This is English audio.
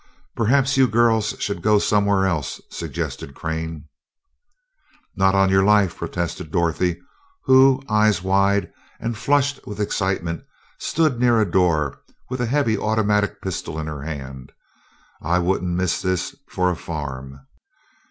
"Perhaps you girls should go somewhere else," suggested Crane. "Not on your life!" protested Dorothy, who, eyes wide and flushed with excitement, stood near a door, with a heavy automatic pistol in her hand. "I wouldn't miss this for a farm!"